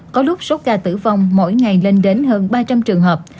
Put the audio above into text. có lúc số ca tử vong mỗi ngày lên đến hơn ba trăm linh trường hợp